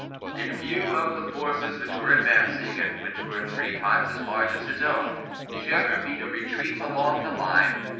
In view of the forces which were advancing, and which were three times as large as his own, Scherer beat a retreat all along the line.